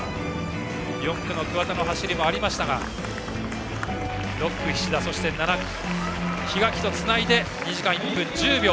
４区の桑田の走りもありましたが６区、菱田７区、檜垣とつないで２時間１分１０秒。